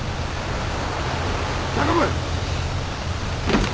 頼む！